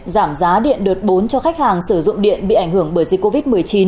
giảm giá điện đợt bốn cho khách hàng sử dụng điện bị ảnh hưởng bởi dịch covid một mươi chín